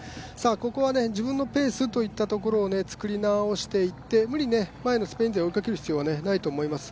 ここは自分のペースといったところを作り直していって無理に前のスペイン勢を追いかける必要はないと思います。